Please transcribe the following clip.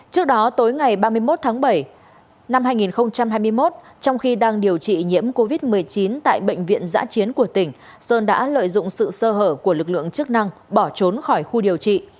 trước đó tối ngày ba mươi một tháng bảy năm hai nghìn hai mươi một trong khi đang điều trị nhiễm covid một mươi chín tại bệnh viện giã chiến của tỉnh sơn đã lợi dụng sự sơ hở của lực lượng chức năng bỏ trốn khỏi khu điều trị